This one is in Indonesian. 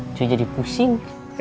itu jadi pusing